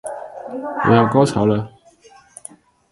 我要高潮了